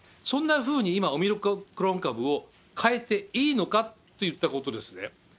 そんなふうに今、オミクロン株を変えていいのかといったことですね。